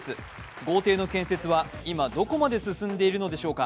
豪邸の建設はいまどこまで進んでいるのでしょうか。